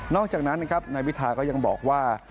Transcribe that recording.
อกจากนั้นนะครับนายพิทาก็ยังบอกว่า